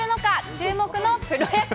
注目のプロ野球。